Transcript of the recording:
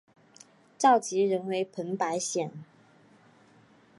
召集人为彭百显。